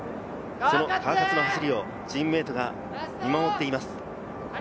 川勝の走りをチームメートが見守っています。